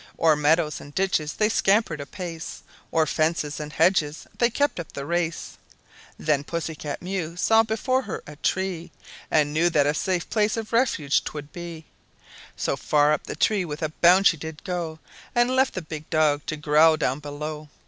O'er meadows and ditches they scampered apace, O'er fences and hedges they kept up the race! Then Pussy cat Mew saw before her a tree, And knew that a safe place of refuge 'twould be; So far up the tree with a bound she did go, And left the big dog to growl down below.